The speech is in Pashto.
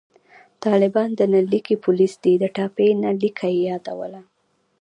طالبان د نل لیکي پولیس دي، د ټاپي نل لیکه یې یادوله